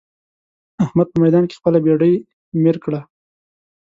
احمد په ميدان کې خپله بېډۍ مير کړه.